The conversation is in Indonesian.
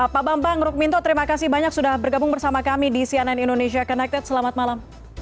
pak bambang rukminto terima kasih banyak sudah bergabung bersama kami di cnn indonesia connected selamat malam